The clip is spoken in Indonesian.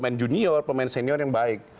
pemain junior pemain senior yang baik